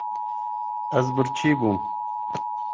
Ez birçî bûm.